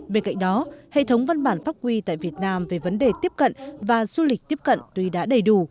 bên cạnh đó hệ thống văn bản pháp quy tại việt nam về vấn đề tiếp cận và du lịch tiếp cận tuy đã đầy đủ